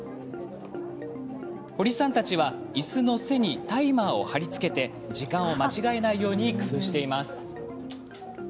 堀さんたちは、いすの背にタイマーを貼り付けて時間を間違えないように工夫をしています。